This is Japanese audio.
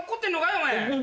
お前。